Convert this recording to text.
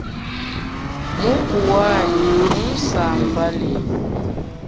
Muku wanyi mmunsamba lelu.